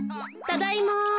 ただいま。